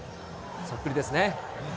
そっくりですね。